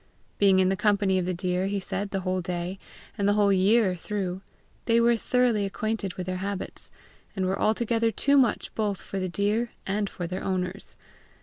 Being in the company of the deer, he said, the whole day, and the whole year through, they were thoroughly acquainted with their habits, and were altogether too much both for the deer and for their owners.